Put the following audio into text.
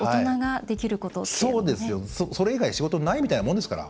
それ以外仕事ないみたいなもんですから。